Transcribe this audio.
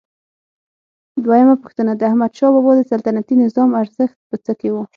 دویمه پوښتنه: د احمدشاه بابا د سلطنتي نظام ارزښت په څه کې و؟